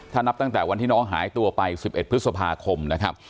ถ้านับตั้งแต่วันที่น้องหายตัวไป๑๑พฤษภาคมนะครับ